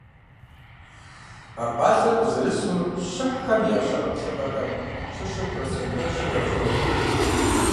А пӀалъэр къызэрысу, щыхьхэм я щэ гъэтӏылъыгъэхэм щыщу процент тӀощӀыр якӀэроху.